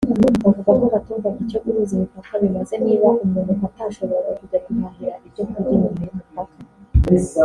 bavuga ko batumvaga icyo guhuza imipaka bimaze niba umuntu atashoboraga kujya guhahira ibyo kurya inyuma y’umupaka